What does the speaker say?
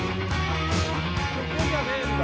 ここじゃねえんだ。